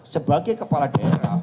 sebagai kepala daerah